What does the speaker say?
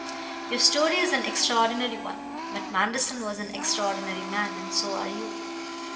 Your story is an extraordinary one; but Manderson was an extraordinary man, and so are you.